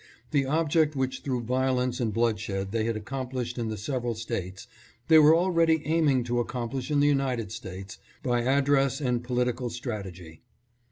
The object whioh through violence and bloodshed they had accomplished in the several States, they were already aiming to accomplish in the United States by address and politi cal strategy.